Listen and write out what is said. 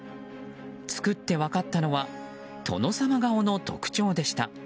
作って分かったのは殿様顔の特徴でした。